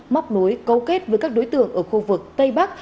móc nối cấu kết với các đối tượng ở khu vực tây bắc